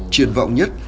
truyền vọng nhất